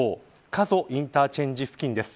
加須インターチェンジ付近です。